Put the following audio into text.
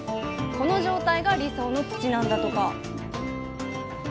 この状態が理想の土なんだとか！